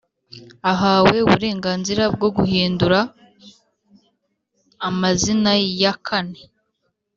ahawe uburenganzira bwo guhidura amazina ya kane